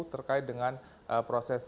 terkait dengan proses